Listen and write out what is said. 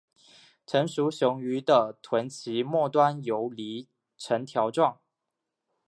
成熟雄鱼的臀鳍末端游离呈条状。